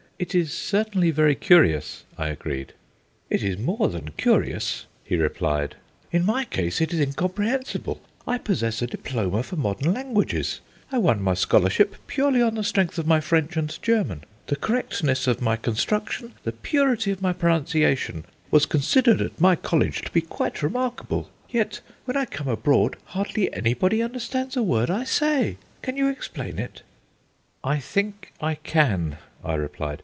"It is certainly very curious," I agreed. "It is more than curious," he replied; "in my case it is incomprehensible. I possess a diploma for modern languages. I won my scholarship purely on the strength of my French and German. The correctness of my construction, the purity of my pronunciation, was considered at my college to be quite remarkable. Yet, when I come abroad hardly anybody understands a word I say. Can you explain it?" "I think I can," I replied.